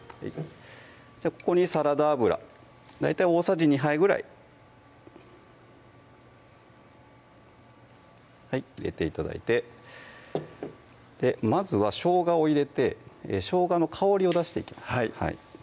ここにサラダ油大体大さじ２杯ぐらい入れて頂いてまずはしょうがを入れてしょうがの香りを出していきます